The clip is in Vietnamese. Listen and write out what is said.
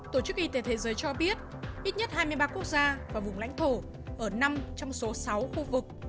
tổ chức y tế thế giới cho biết ít nhất hai mươi ba quốc gia và vùng lãnh thổ ở năm trong số sáu khu vực